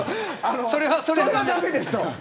それは駄目ですと。